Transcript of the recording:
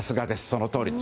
そのとおり。